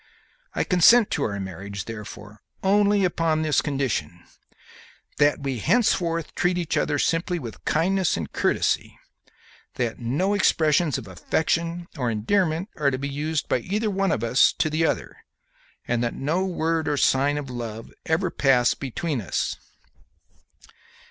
I consent to our marriage, therefore, only upon this condition: that we henceforth treat each other simply with kindness and courtesy; that no expressions of affection or endearment are to be used by either of us to the other, and that no word or sign of love ever pass between us."